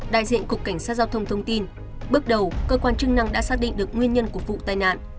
đại diện cục cảnh sát giao thông thông tin bước đầu cơ quan chức năng đã xác định được nguyên nhân của vụ tai nạn